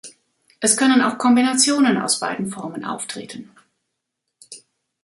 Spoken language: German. Es können auch Kombinationen aus beiden Formen auftreten.